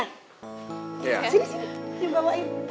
sini sini yuk bawain